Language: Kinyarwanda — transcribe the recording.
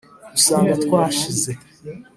usanga twashize